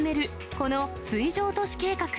この水上都市計画。